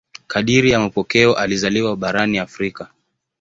Kadiri ya mapokeo alizaliwa barani Afrika.